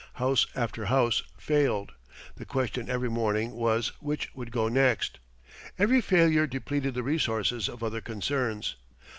House after house failed. The question every morning was which would go next. Every failure depleted the resources of other concerns.